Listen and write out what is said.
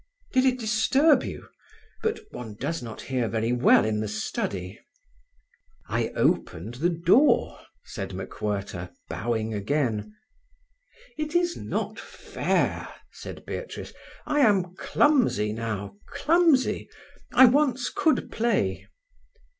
"Did it disturb you? But one does not hear very well in the study." "I opened the door," said MacWhirter, bowing again. "It is not fair," said Beatrice. "I am clumsy now—clumsy. I once could play."